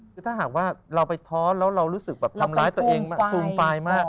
คือถ้าหากว่าเราไปท้อแล้วเรารู้สึกแบบทำร้ายตัวเองซูมฟายมาก